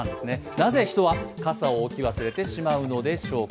なぜ人は傘を置き忘れてしまうんでしょうか。